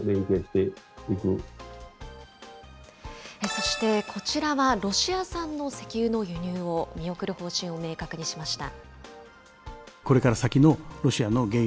そして、こちらはロシア産の石油の輸入を見送る方針を明確にしました。